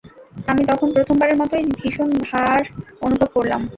আমি তখন প্রথম বারের মতই ভীষণ ভার অনুভব করলাম।